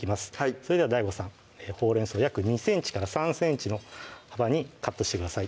それではＤＡＩＧＯさんほうれん草約２ｃｍから３ｃｍの幅にカットしてください